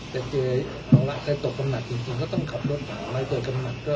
แต่จะเอาแล้วใครตกกำหนักจริงจริงก็ต้องขับโรตขอร้องรายตัวกำหนักก็